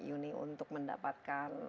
uni untuk mendapatkan